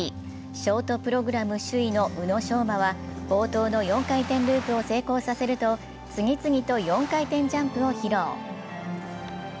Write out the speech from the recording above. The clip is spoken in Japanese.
ショートプログラム首位の宇野昌磨は冒頭の４回転ループを成功させると次々と４回転ジャンプを披露。